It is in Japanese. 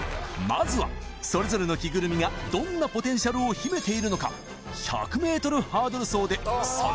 まずはそれぞれの着ぐるみがどんなポテンシャルを秘めているのか